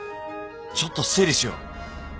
ちょっと整理しよう。